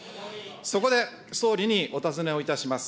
そこで、総理にお尋ねをいたします。